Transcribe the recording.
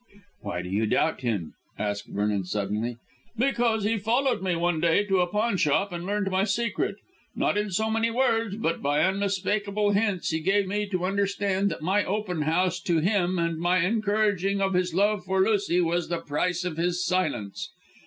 "Why do you doubt him?" asked Vernon suddenly. "Because he followed me one day to a pawnshop and learned my secret. Not in so many words, but by unmistakable hints he gave me to understand that my open house to him and my encouraging of his love for Lucy was the price of his silence.